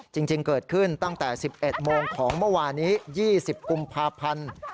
จริงเกิดขึ้นตั้งแต่๑๑โมงของเมื่อวานี้๒๐กุมภาพันธ์